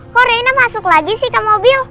kok rena masuk lagi sih ke mobil